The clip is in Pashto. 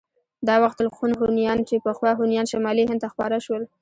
دا وخت الخون هونيان چې پخوا هونيان شمالي هند ته خپاره شول.